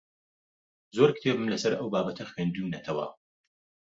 زۆر کتێبم لەسەر ئەو بابەتە خوێندوونەتەوە.